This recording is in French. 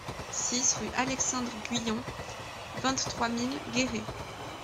six rue Alexandre Guillon, vingt-trois mille Guéret